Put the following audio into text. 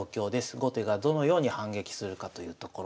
後手がどのように反撃するかというところです。